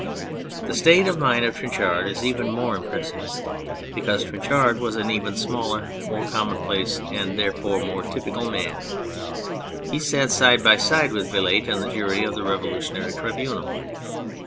The state of mind of Trinchard is even more impressive, because Trinchard was an even smaller, 50 On the Effect of Time more commonplace, and therefore more typical, man. He sat side by side with Vilate in the jury of the Revolutionary Tribunal.